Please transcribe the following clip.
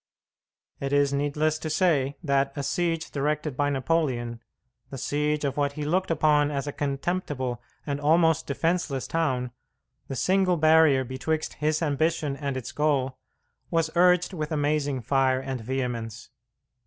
It is needless to say that a siege directed by Napoleon the siege of what he looked upon as a contemptible and almost defenceless town, the single barrier betwixt his ambition and its goal was urged with amazing fire and vehemence.